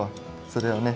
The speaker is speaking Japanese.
それをね